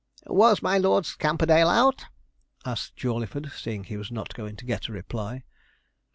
'Was my Lord Scamperdale out?' asked Jawleyford, seeing he was not going to get a reply.